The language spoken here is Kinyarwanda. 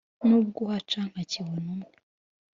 Nubwo uhaca nka kibonumwe